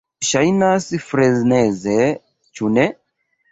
Ŝajnas freneze, ĉu ne?